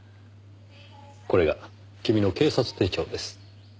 これが君の警察手帳です。